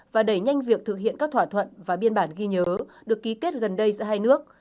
và đẩy nhanh việc thực hiện các thỏa thuận và biên bản ghi nhớ được ký kết gần đây giữa hai nước